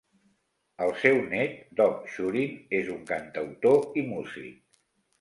El seu net Dov Shurin és un cantautor i músic.